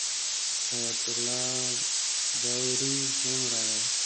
حیات الله داوري هم راغی.